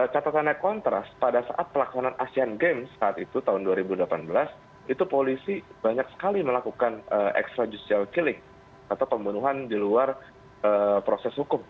catatan naik kontras pada saat pelaksanaan asean games saat itu tahun dua ribu delapan belas itu polisi banyak sekali melakukan extrajutial killing atau pembunuhan di luar proses hukum